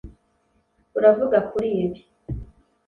Uravuga kuri ibi